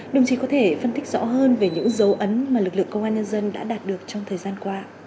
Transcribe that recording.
đồng chí có thể phân tích rõ hơn về những dấu ấn mà lực lượng công an nhân dân đã đạt được trong thời gian qua